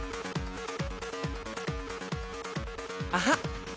アハッ。